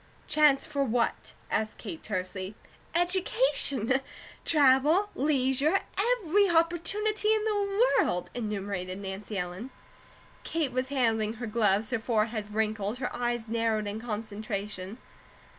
"Chance for what?" asked Kate tersely. "Education, travel, leisure, every opportunity in the world," enumerated Nancy Ellen. Kate was handling her gloves, her forehead wrinkled, her eyes narrowed in concentration.